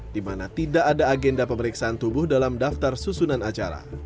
di mana tidak ada agenda pemeriksaan tubuh dalam daftar susunan acara